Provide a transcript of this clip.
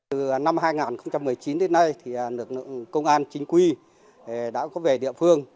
từ năm hai nghìn một mươi chín đến nay lực lượng công an chính quy đã có về địa phương